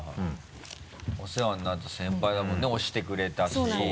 お世話になった先輩だもんね推してくれたし。